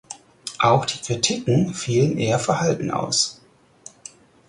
Auch die Kritiken fielen eher verhalten aus.